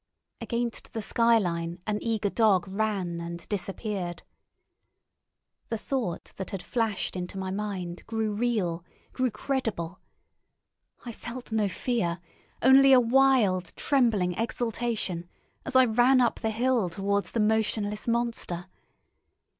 Against the sky line an eager dog ran and disappeared. The thought that had flashed into my mind grew real, grew credible. I felt no fear, only a wild, trembling exultation, as I ran up the hill towards the motionless monster.